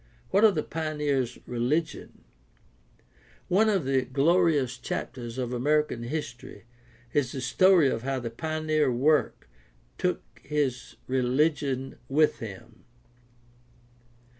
What of the pioneer's religion ? One of the glorious chap ters of American history is the story of how the pioneer took his religion with him.